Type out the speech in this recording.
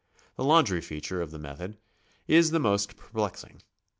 The laundry feature of the method is the most perplexing.